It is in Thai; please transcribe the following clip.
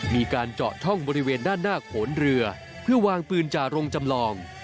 มีการเจาะช่องบริเวณด้านหน้าโขนเรือเพื่อวางปืนจ่าโรงจำลอง